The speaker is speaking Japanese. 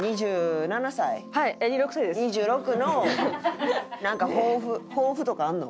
２６のなんか抱負抱負とかあんの？